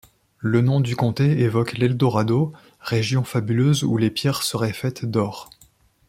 Le nom du comté évoque l'Eldorado, région fabuleuse où les pierres seraient faites d'or.